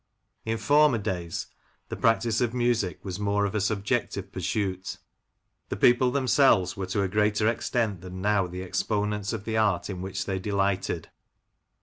In former days the practice of music James Leachy the Lancashire Composer. 57 was more of a subjective pursuit. The people themselves were to a greater extent than now the exponents of the art in which they delighted.